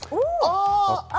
ああ！